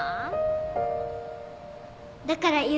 だから